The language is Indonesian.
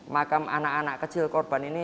makam anak anak kecil korban ini